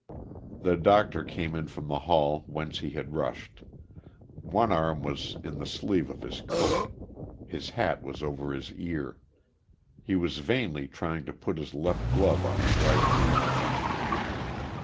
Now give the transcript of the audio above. The doctor came in from the hall whence he had rushed. One arm was in the sleeve of his coat. His hat was over his ear. He was vainly trying to put his left glove on his right hand.